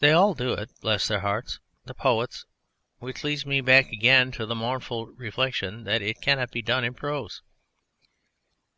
They all do it, bless their hearts, the poets, which leads me back again to the mournful reflection that it cannot be done in prose....